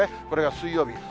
これが水曜日。